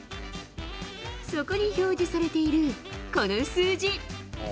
そこに表示されているこの数字。